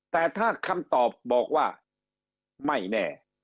แต่ถ้าคำตอบบอกว่าไม่แน่